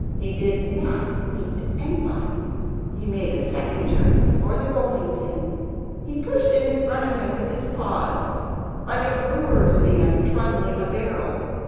He did not meet anybody. He made a second journey for the rolling pin. He pushed it in front of him with his paws, like a brewer's man trundling a barrel.